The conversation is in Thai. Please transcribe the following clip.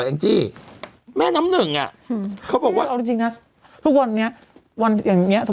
แองจี้แม่น้ำหนึ่งอ่ะอืมเขาบอกว่าเอาจริงจริงนะทุกวันนี้วันอย่างเงี้